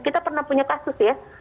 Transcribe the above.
kita pernah punya kasus ya